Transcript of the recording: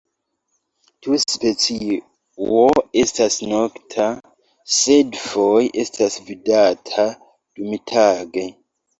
Tiu specio estas nokta, sed foje estas vidata dumtage.